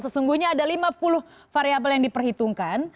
sesungguhnya ada lima puluh variable yang diperhitungkan